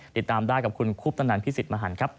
ติดตามได้กับคุณคุบตนทานพิศิษฐ์มหันต์ครับ